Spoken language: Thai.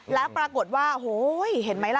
แล้วปรากฏว่าโหเห็นไหมล่ะ